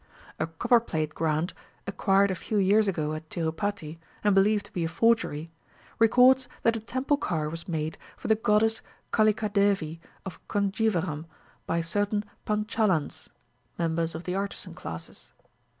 A copper plate grant, acquired a few years ago at Tirupati, and believed to be a forgery, records that a temple car was made for the goddess Kalikadevi of Conjeeveram by certain Panchalans (members of the artisan classes).